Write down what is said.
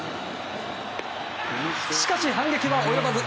しかし、反撃は及ばず。